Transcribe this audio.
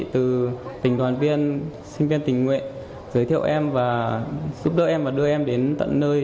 từ tình đoàn viên sinh viên tình nguyện giới thiệu em và giúp đỡ em và đưa em đến tận nơi